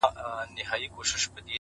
پوهه له تجربې ژورېږي,